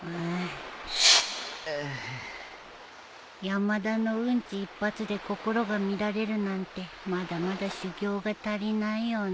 山田のうんち一発で心が乱れるなんてまだまだ修行が足りないよね。